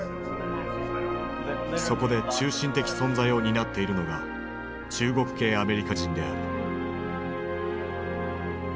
そこで中心的存在を担っているのが中国系アメリカ人である。